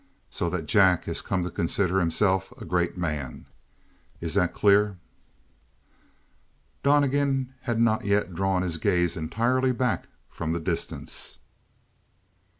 So that Jack has come to consider himself a great man. Is it clear?" Donnegan had not yet drawn his gaze entirely back from the distance.